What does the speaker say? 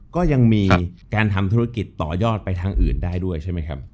ก็ยังมีการทำธุรกิจต่อยอดไปทางอื่นได้ด้วยใช่ไหมครับ